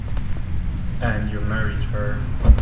And you married her.